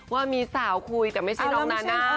ว่ามีสาวคุยแต่ไม่ใช่น้องนั้นนะ